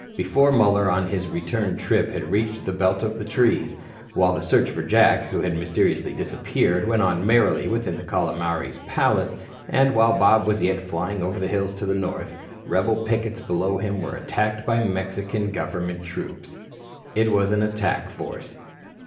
Before Muller on his return trip had reached the belt of trees, while the search for Jack, who had mysteriously disappeared, went on merrily within the Calomares palace, and while Bob was yet flying over the hills to the north, rebel pickets below him were attacked by Mexican government troops. It was an attack in force.